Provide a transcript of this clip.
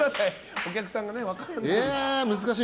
お客さんが分からない。